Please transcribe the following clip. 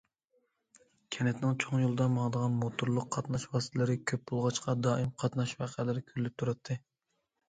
كەنتنىڭ چوڭ يولىدا ماڭىدىغان موتورلۇق قاتناش ۋاسىتىلىرى كۆپ بولغاچقا، دائىم قاتناش ۋەقەلىرى كۆرۈلۈپ تۇراتتى.